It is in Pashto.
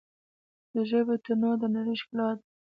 د ژبو تنوع د نړۍ ښکلا ده.